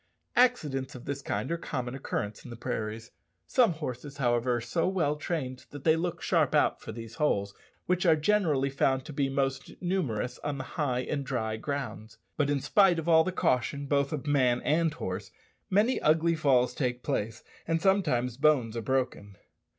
Accidents of this kind are of common occurrence in the prairies. Some horses, however, are so well trained that they look sharp out for these holes, which are generally found to be most numerous on the high and dry grounds. But in spite of all the caution both of man and horse many ugly falls take place, and sometimes bones are broken.